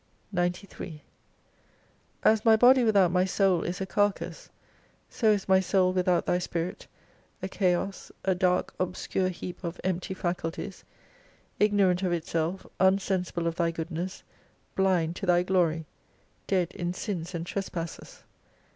93 As my body without my Soul is a Carcase, so is my soul without Thy Spirit, a chaos, a dark obscure heap of empty faculties : ignorant of itself, unsensible of Thy goodness, blind to Thy glory : dead in sins and tres passes.